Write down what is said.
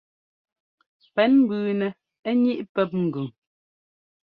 Pɛ́n mbʉʉnɛ ŋíʼ pɛ́p ŋgʉn.